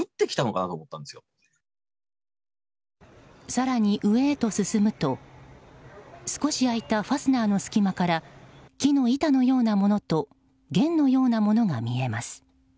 更に、上へと進むと少し開いたファスナーの隙間から木の板のようなものと弦のようなものが見えます。